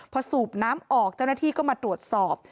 พอสูบน้ำออกเจ้าหน้าที่ก็มาตรวจสอบ